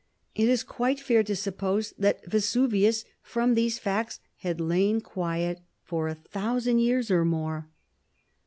It is quite fair to suppose that Vesuvius, from these facts, had lain quiet for a thousand years or more.